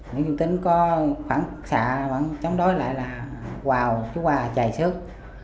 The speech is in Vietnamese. nguyễn tính có khoảng xạ vẫn chống đối lại là quào chú hòa chạy xước